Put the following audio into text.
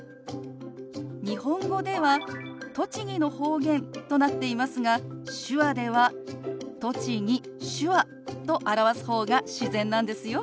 日本語では「栃木の方言」となっていますが手話では「栃木」「手話」と表す方が自然なんですよ。